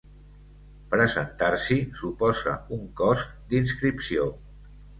Presentar-s'hi suposa un cost d'inscripció.